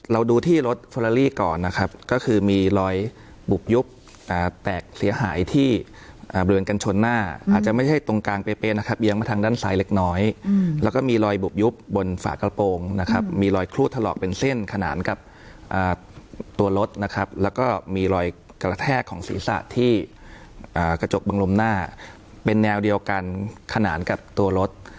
เราดูที่รถเฟอลาลี่ก่อนนะครับก็คือมีรอยบุบยุบแตกเสียหายที่บริเวณกันชนหน้าอาจจะไม่ใช่ตรงกลางเป๊ะนะครับเลี้ยงมาทางด้านซ้ายเล็กน้อยแล้วก็มีรอยบุบยุบบนฝากระโปรงนะครับมีรอยครูดถลอกเป็นเส้นขนาดกับตัวรถนะครับแล้วก็มีรอยกระแทกของศีรษะที่กระจกบังลมหน้าเป็นแนวเดียวกันขนาดกับตัวรถ